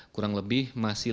kurang lebih masih lima puluh